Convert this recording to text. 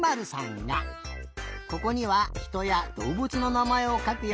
ここには「ひとやどうぶつ」のなまえをかくよ。